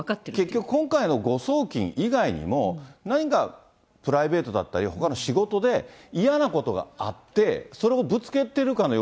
結局、今回の誤送金以外にも、何かプライベートだったり、ほかの仕事で、嫌なことがあって、そそうですね。